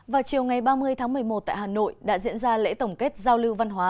vào chiều ngày ba mươi tháng một mươi một tại hà nội đã diễn ra lễ tổng kết giao lưu văn hóa